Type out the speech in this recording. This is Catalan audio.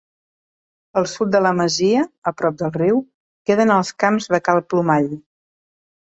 Al sud de la masia, a prop del riu, queden els Camps de Cal Plomall.